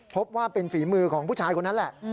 พบว่าเป็นฝีมือของผู้ชายคนนั้นแหละ